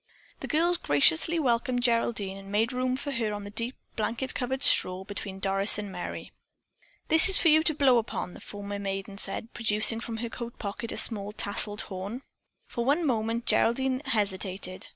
The girls graciously welcomed Geraldine and made room for her on the deep, blanket covered straw between Doris and Merry. "This is for you to blow upon," the former maiden said, producing from her coat pocket a small tassled horn. For one moment Geraldine hesitated.